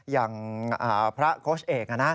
อย่างพระโค้ชเอกนะ